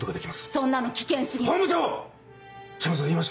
そんなの危険過ぎます。